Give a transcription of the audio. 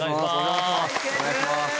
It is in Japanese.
お願いします。